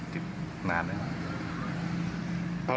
ติดมานานครับ